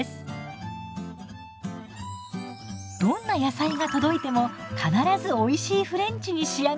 どんな野菜が届いても必ずおいしいフレンチに仕上がる！